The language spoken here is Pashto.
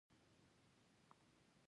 ایا کیمیاوي مواد په لاس لمس کولی شو.